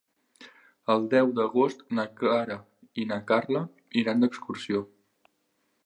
El deu d'agost na Clara i na Carla iran d'excursió.